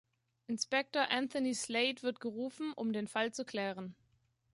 Inspector Anthony Slade wird gerufen, um den Fall zu klären.